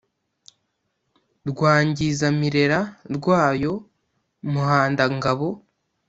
Rwangizamirera rwayo Muhandangabo